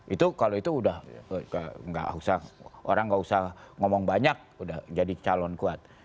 itu kalau itu udah orang nggak usah ngomong banyak udah jadi calon kuat